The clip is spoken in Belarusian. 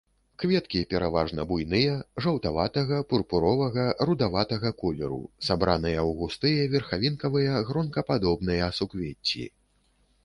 Кветкі пераважна буйныя, жаўтаватага, пурпуровага, рудаватага колеру, сабраныя ў густыя верхавінкавыя гронкападобныя суквецці.